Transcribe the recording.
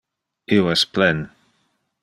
Io es plen.